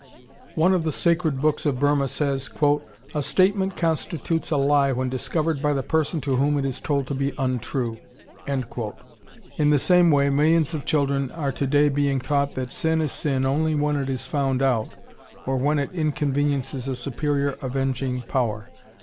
One of the "Sacred Books" of Burma says, "A statement constitutes a lie when discovered by the person to whom it is told to be untrue!" In the same way millions of children are today being taught that sin is sin only when it is found out or when it inconveniences a superior avenging power.